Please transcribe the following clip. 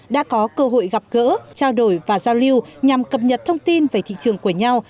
đã có cơ hội gặp gỡ trao đổi và giao lưu nhằm cập nhật thông tin về thị trường của nhau